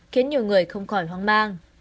khiến nhiều người không khỏi hoang mang